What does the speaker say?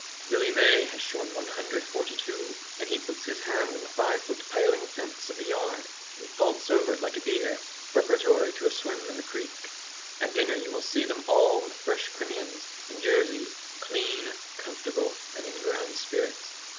Billy May has shorn 142, and he puts his hand on the five foot paling fence of the yard and vaults over it like a deer, preparatory to a swim in the creek. At dinner you will see them all with fresh Crimeans and Jerseys, clean, comfortable, and in grand spirits.